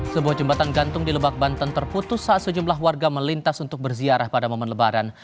sebuah jembatan gantung di lebak banten terputus saat sejumlah warga melintas untuk berziarah pada momen lebaran